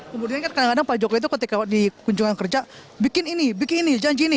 kemudian kan kadang kadang pak jokowi itu ketika di kunjungan kerja bikin ini bikin ini janji ini